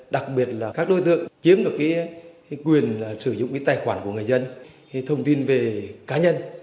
đặc biệt là các đối tượng chiếm được quyền sử dụng cái tài khoản của người dân thông tin về cá nhân